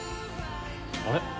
あれ？